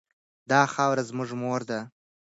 دا خاوره زموږ مور ده.